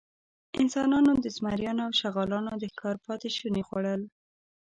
انسانانو د زمریانو او شغالانو د ښکار پاتېشوني خوړل.